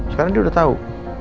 sekarang dia udah tau